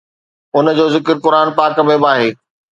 ان جو ذڪر قرآن پاڪ ۾ به آهي